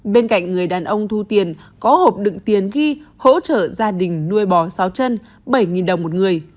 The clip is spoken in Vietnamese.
bên cạnh người đàn ông thu tiền có hộp đựng tiền ghi hỗ trợ gia đình nuôi bò sáu chân bảy đồng một người